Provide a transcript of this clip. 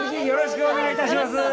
よろしくお願いします。